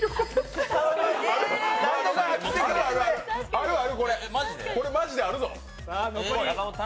あるある、これ、これマジであるぞ。